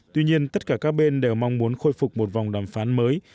tuy nhiên tất cả các bên đều mong muốn khôi phục một vòng đàm phán mới